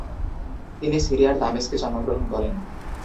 তিনি সিরিয়ার দামেস্কে জন্মগ্রহণ করেন।